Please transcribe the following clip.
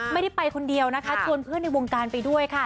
ไม่ได้ไปคนเดียวนะคะชวนเพื่อนในวงการไปด้วยค่ะ